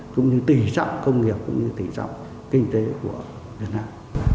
cũng như tỉ trọng công nghiệp cũng như tỉ trọng kinh tế của việt nam